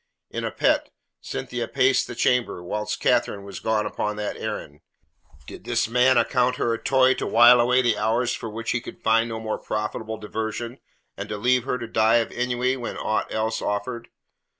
In a pet, Cynthia paced the chamber whilst Catherine was gone upon that errand. Did this man account her a toy to while away the hours for which he could find no more profitable diversion, and to leave her to die of ennui when aught else offered?